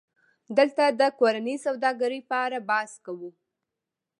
دلته د کورنۍ سوداګرۍ په اړه بحث کوو